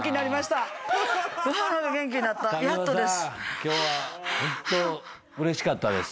今日はホントうれしかったです。